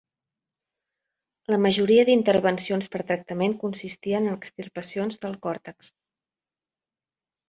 La majoria d'intervencions per tractament consistien en extirpacions del còrtex.